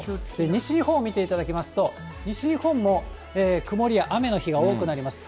西日本を見ていただきますと、西日本も曇りや雨の日が多くなります。